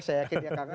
saya yakin dia kangen